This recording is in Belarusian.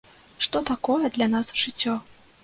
Што такое для нас жыццё.